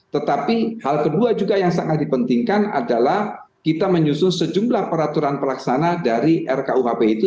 tetapi hal kedua juga yang sangat dipentingkan adalah kita menyusun sejumlah peraturan pelaksana dari rkuhp itu